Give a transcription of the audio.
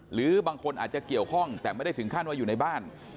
หรือบางคนอาจจะเกี่ยวข้องแต่ไม่ได้ถึงขั้นว่าอยู่ในบ้าน